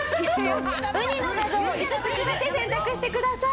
ウニの画像を５つ全て選択してください。